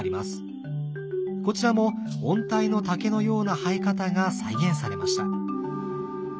こちらも温帯の竹のような生え方が再現されました。